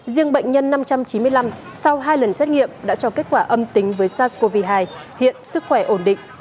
riêng bệnh nhân năm trăm chín mươi năm sau hai lần xét nghiệm đã cho kết quả âm tính với sars cov hai hiện sức khỏe ổn định